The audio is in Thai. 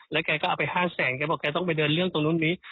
แล้วแกก็เอาไป๕แสนแกบอกแกต้องไปเดินเรื่องตรงนู้นนี้